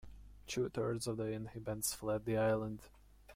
Two-thirds of the inhabitants fled the island.